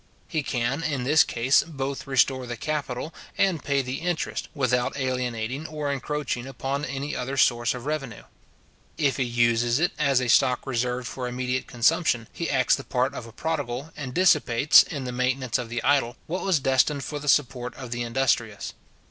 He can, in this case, both restore the capital, and pay the interest, without alienating or encroaching upon any other source of revenue. If he uses it as a stock reserved for immediate consumption, he acts the part of a prodigal, and dissipates, in the maintenance of the idle, what was destined for the support of the industrious.